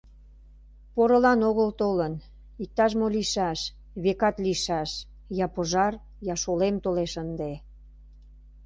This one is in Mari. — Порылан огыл толын, иктаж-мо лийшаш, векат, лийшаш; я пожар, я шолем толеш ынде.